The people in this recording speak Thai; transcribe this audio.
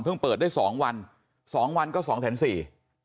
เปิดได้สองวันสองวันก็สองแสนสี่